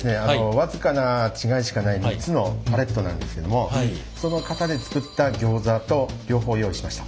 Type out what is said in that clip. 僅かな違いしかない３つのパレットなんですけどもその型で作ったギョーザと両方用意しました。